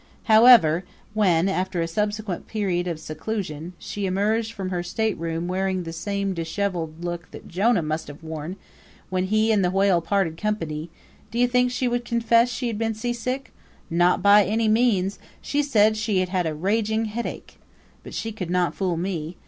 However, when, after a subsequent period of seclusion, she emerged from her stateroom wearing the same disheveled look that Jonah must have worn when he and the whale parted company, do you think she would confess she had been seasick? Not by any means! She said she had had a raging headache. But she could not fool me.